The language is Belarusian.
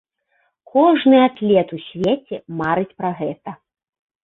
Кожны атлет у свеце марыць пра гэта.